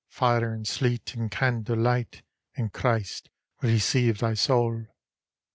Fire and sleet and candle lighte. And Cbriste receive thy saule.